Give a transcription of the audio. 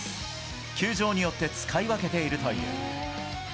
球場によって使い分けているという。